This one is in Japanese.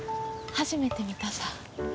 初めて見たさ。